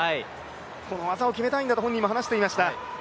この技を決めたいんだと本人も話していました。